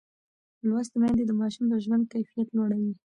لوستې میندې د ماشوم د ژوند کیفیت لوړوي.